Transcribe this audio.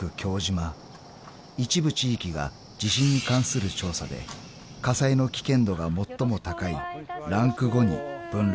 ［一部地域が地震に関する調査で火災の危険度が最も高いランク５に分類されている］